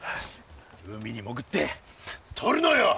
海に潜ってとるのよ！